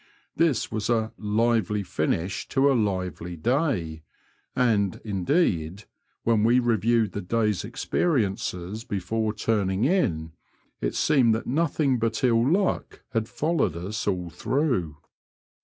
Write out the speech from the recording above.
This was a lively finish to a lively day," and, indeed, when we reviewed the day's experiences before turning in, it seemed that nothing but ill luck had followed us all through.